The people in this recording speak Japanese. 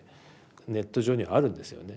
ネット上にあるんですよね